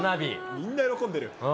みんな喜んでる。